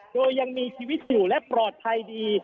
โดยยังมีชีวิตอยู่และปลอดภัยดี